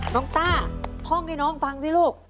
ต้าท่องให้น้องฟังสิลูก